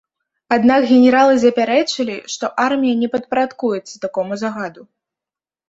Аднак генералы запярэчылі, што армія не падпарадкуецца такому загаду.